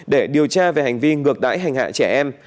để điều tra về hành vi ngược đáy hành hạ trẻ em